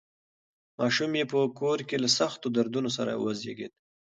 ماشوم یې په کور کې له سختو دردونو سره وزېږېد.